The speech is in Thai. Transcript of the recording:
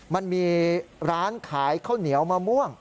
มันมีร้านขายข้าวเหนียวมะม่วง